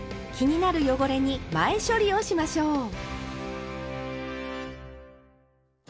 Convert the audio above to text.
気になる汚れに前処理をしましょう。